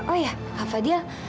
oh iya kak fadil